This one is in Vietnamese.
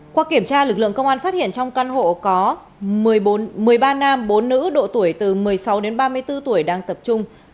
qua kiểm tra lực lượng công an phát hiện trong căn hộ có nam bốn nữ độ tuổi từ một mươi sáu đến ba mươi bốn tuổi đang tập trung